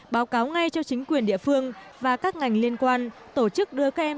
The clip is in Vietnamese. báo cáo ngay cho chính quyền địa phương và các ngành liên quan tổ chức đưa các em